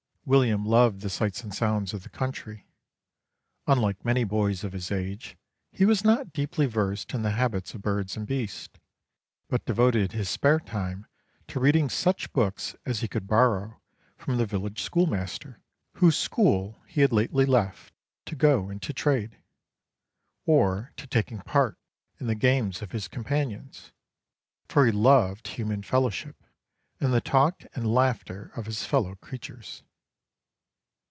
William loved the sights and sounds of the country; unlike many boys of his age, he was not deeply versed in the habits of birds and beasts, but devoted his spare time to reading such books as he could borrow from the village schoolmaster whose school he had lately left to go into trade, or to taking part in the games of his companions, for he loved human fellowship and the talk and laughter of his fellow creatures.